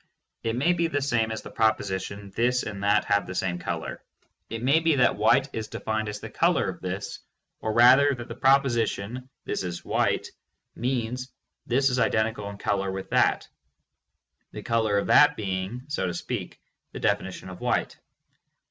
It may be the same as the proposition "This and that have the same color." It may be that white is defined as the color of "this," or rather that the proposition "This is white" means "This is identical in color with that," the color of "that" being, so to speak, the definition of white.